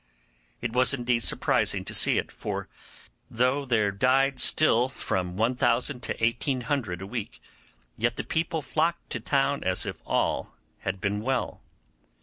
It was indeed surprising to see it, for though there died still from 1000 to 1800 a week, yet the people flocked to town as if all had been well.